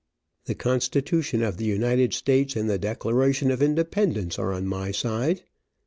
The constitution of the United States and the Declaration of Independence, are on my side.